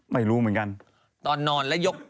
ไม่รู้เหมือนกันตอนนอนแล้วยก